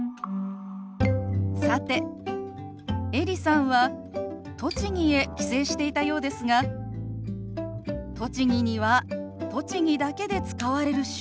さてエリさんは栃木へ帰省していたようですが栃木には栃木だけで使われる手話